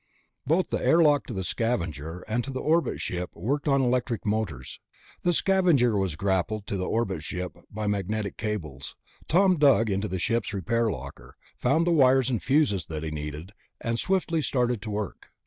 Both the airlock to the Scavenger and to the orbit ship worked on electric motors. The Scavenger was grappled to the orbit ship's hull by magnetic cables. Tom dug into the ship's repair locker, found the wires and fuses that he needed, and swiftly started to work.